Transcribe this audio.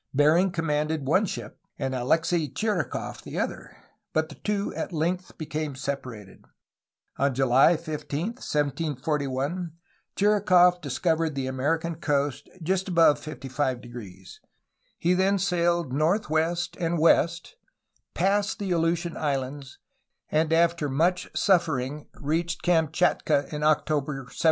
Bering com manded one ship, and Alexei Chirikof the other, but the two at length became separated. On July 15, 1741, Chirikof dis covered the American coast just above 55*^. He then sailed northwest and west, passed the Aleutian Islands, and after much suffering reached Kamchatka in October 1741.